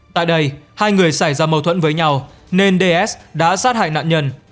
tại đây hai người xảy ra mâu thuẫn với nhau nên ds đã sát hại nạn nhân